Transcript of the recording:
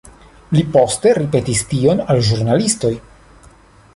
Li poste ripetis tion al ĵurnalistoj.